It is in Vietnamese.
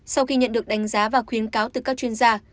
sau khi nhận được đánh giá và khuyến cáo từ các chuyên gia